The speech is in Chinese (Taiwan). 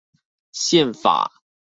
憲法